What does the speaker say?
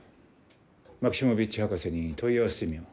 マキシモヴィッチ博士に問い合わせてみよう。